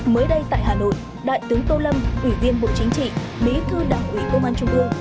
mới đây tại hà nội đại tướng tô lâm ủy viên bộ chính trị bí thư đảng ủy công an trung ương